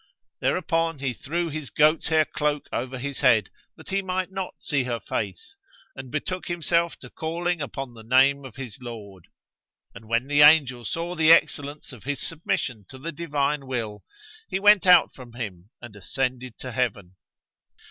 Thereupon, he threw his goat's hair cloak over his head that he might not see her face, and betook himself to calling upon the name of his Lord. And when the angel saw the excellence of his submission to the Divine Will, he went out from him and ascended to heaven.